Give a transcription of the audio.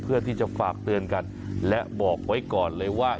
เพื่อที่จะฝากเตือนกันและบอกไว้ก่อนเลยว่า